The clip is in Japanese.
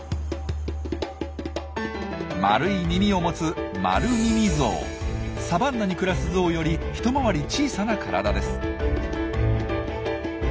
丸い耳を持つサバンナに暮らすゾウより一回り小さな体です。